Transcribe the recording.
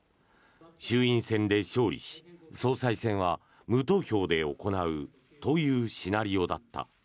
衆院選で勝利し、総裁選は無投票で行うというシナリオだった。